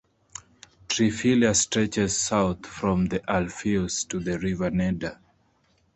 Triphylia stretches south from the Alpheus to the river Neda.